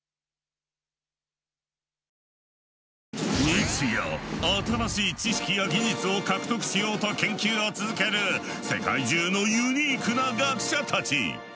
日夜新しい知識や技術を獲得しようと研究を続ける世界中のユニークな学者たち。